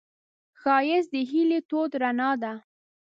ښایست د هیلې تود رڼا ده